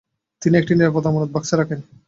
তিনি একটি নিরাপদ আমানত বাক্সে রাখেন।